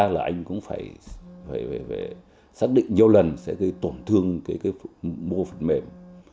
là anh cũng phải xác định nhiều lần sẽ tổn thương cái mô phật mềm